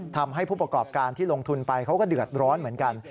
ทำให้ผู้ประกอบการที่ลงทุนไปเขาก็เดือดร้อนเหมือนกัน